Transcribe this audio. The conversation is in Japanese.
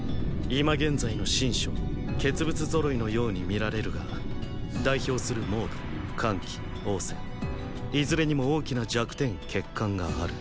今現在の秦将傑物ぞろいのように見られるが代表する蒙武・桓騎・王翦いずれにも大きな弱点・欠陥がある。